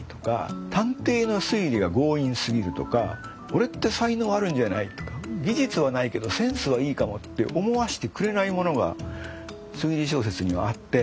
俺って才能あるんじゃないとか技術はないけどセンスはいいかもって思わせてくれないものが推理小説にはあって。